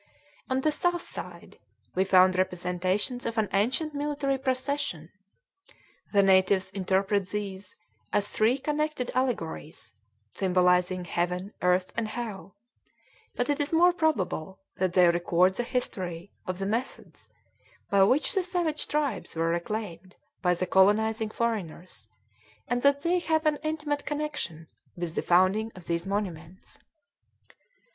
On the south side we found representations of an ancient military procession. The natives interpret these as three connected allegories, symbolizing heaven, earth, and hell; but it is more probable that they record the history of the methods by which the savage tribes were reclaimed by the colonizing foreigners, and that they have an intimate connection with the founding of these monuments.